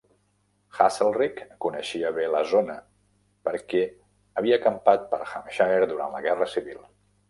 Haselrig coneixia bé la zona, perquè havia acampat per Hampshire durant la guerra civil.